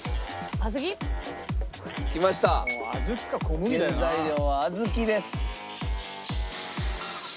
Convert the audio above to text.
原材料は小豆です。